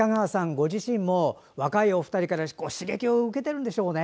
ご自身も若いお二人から刺激を受けているんでしょうね。